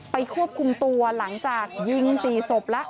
ควบคุมตัวหลังจากยิง๔ศพแล้ว